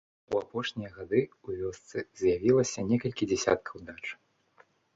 У апошнія гады ў вёсцы з'явілася некалькі дзясяткаў дач.